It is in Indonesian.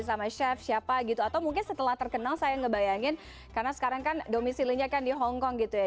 sama chef siapa gitu atau mungkin setelah terkenal saya ngebayangin karena sekarang kan domisilinya kan di hongkong gitu ya